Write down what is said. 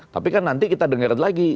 tapi kan nanti kita dengar lagi